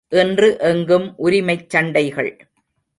இன்று எங்கும் உரிமைச் சண்டைகள்!